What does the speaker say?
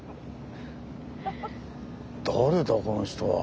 誰だこの人は。